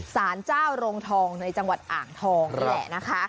สารเจ้าโรงทองในจังหวัดอ่างทองนี่แหละนะคะ